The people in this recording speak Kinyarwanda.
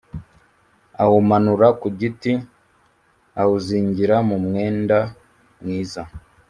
awumanura f ku giti awuzingira mu mwenda mwiza